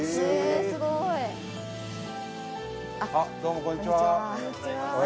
すごい！どうもこんにちは。